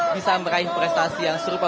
bisa meraih prestasi yang serupa